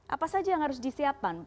apa saja yang harus disiapkan